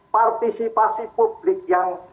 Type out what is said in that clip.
partisipasi publik yang